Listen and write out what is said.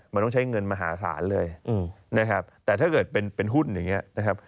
มันต้องใช้เงินมหาศาลเลยนะครับแต่ถ้าเกิดเป็นหุ้นอย่างนี้นะครับ